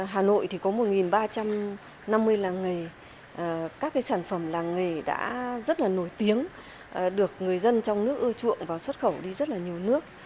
hà nội thì có một ba trăm năm mươi làng nghề các cái sản phẩm làng nghề đã rất là nổi tiếng được người dân trong nước ưa chuộng và xuất khẩu đi rất là nhiều nước